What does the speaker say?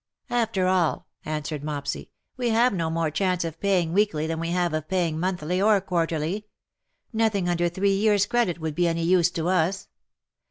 ^'" After all/^ answered Mopsy, " we have no more chance of paying weekly than we have of paying monthly or quarterly. Nothing under three years^ credit would be any use to us.